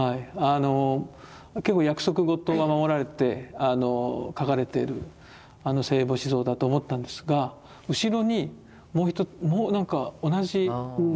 結構約束事が守られて描かれてる聖母子像だと思ったんですが後ろにもう一つなんか同じねありましたでしょ？